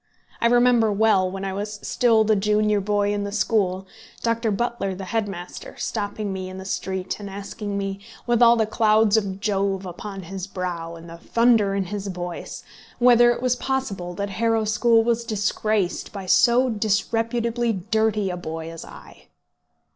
I remember well, when I was still the junior boy in the school, Dr. Butler, the head master, stopping me in the street, and asking me, with all the clouds of Jove upon his brow and all the thunder in his voice, whether it was possible that Harrow School was disgraced by so disreputably dirty a little boy as I!